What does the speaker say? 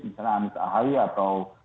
misalnya anies ahy atau